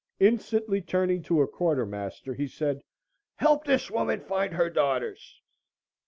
Instantly turning to a quartermaster, he said: "Help this woman find her daughters!"